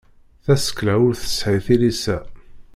Tasekla ur tesɛi tilisa.